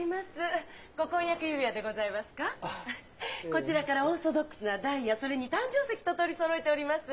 こちらからオーソドックスなダイヤそれに誕生石と取りそろえております。